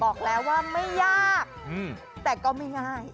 บอกแล้วว่าไม่ยากแต่ก็ไม่ง่าย